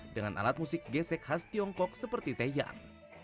dengan alat musik gesek khas tiongkok seperti teyan